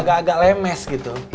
agak agak lemes gitu